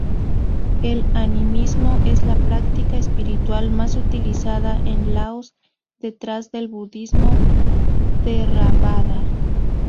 El animismo es la práctica espiritual más utilizada en Laos detrás del budismo theravada.